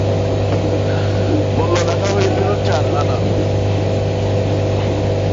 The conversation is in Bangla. মূল্য রাখা হয়েছিল চার আনা।